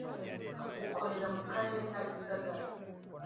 ukorera mu karere ka Gisagara